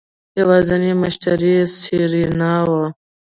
يوازينی مشتري يې سېرېنا وه.